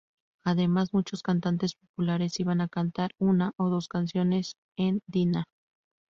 Además, muchos cantantes populares iban a cantar una o dos canciones en "Dinah!